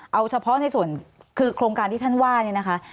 เอาเฉพาะในส่วนคือโครงการที่ท่านว่าเนี่ยนะคะ